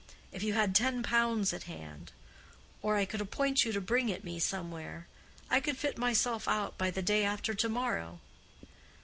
If you had ten pounds at hand—or I could appoint you to bring it me somewhere—I could fit myself out by the day after to morrow."